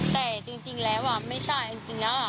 แต่จริงแล้วไม่ใช่จริงแล้ว